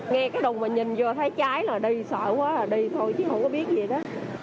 nghe cái đồng mình nhìn vô thấy cháy là đi sợ quá là đi thôi chứ không có biết gì nữa